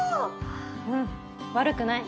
うん悪くない。